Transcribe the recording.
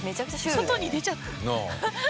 外に出ちゃった。